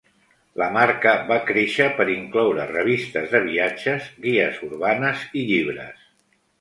La marca va créixer per incloure revistes de viatges, guies urbanes i llibres.